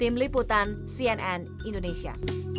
tim liputan cnn indonesia